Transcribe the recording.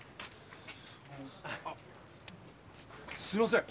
あっすいません。